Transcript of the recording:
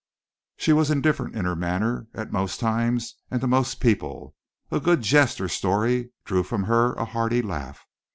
She was indifferent in her manner at most times and to most people. A good jest or story drew from her a hearty laugh.